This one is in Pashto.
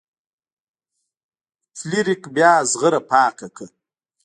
فلیریک بیا زغره پاکه کړه.